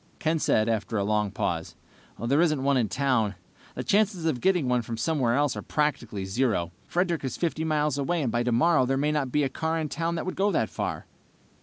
Ken said, after a long pause, "There isn't one in town. The chances of getting one from somewhere else are practically zero. Frederick is 50 miles away and by tomorrow there may not be a car in town that would go that far."